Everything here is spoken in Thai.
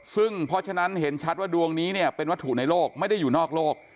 ซึ่งเพราะฉะนั้นเห็นชัดว่าดวงนี้เนี่ยเป็นวัตถุในโลกไม่ได้อยู่นอกโลก